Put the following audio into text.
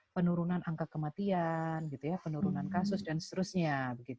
penurunan angka kematian penurunan kasus dan seterusnya